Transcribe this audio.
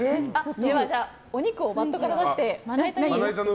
では、お肉をバットから出してまな板に。